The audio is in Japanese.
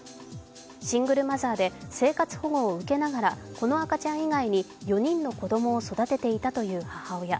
シングルマザーで生活保護を受けながらこの赤ちゃん以外に４人の子どもを育てていたという母親。